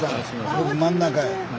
僕真ん中。